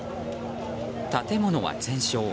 建物は全焼。